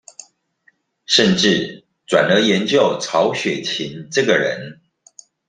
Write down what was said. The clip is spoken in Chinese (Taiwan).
甚至轉而研究曹雪芹這個人